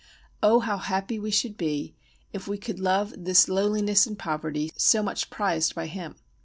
Oh how happy we should be if we could love this lowliness and poverty so much prized by him.